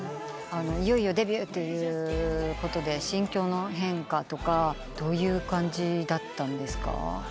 いよいよデビューということで心境の変化とかどういう感じだったんですか？